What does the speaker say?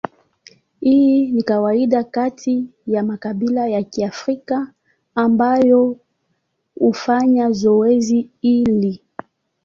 Hii ni kawaida kati ya makabila ya Kiafrika ambayo hufanya zoezi hili.